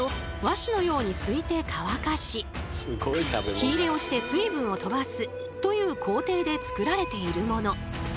火入れをして水分を飛ばすという工程で作られているもの。